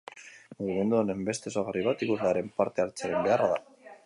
Mugimendu honen beste ezaugarri bat ikuslearen parte-hartzearen beharra da.